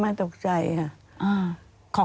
ไม่ตกใจค่ะ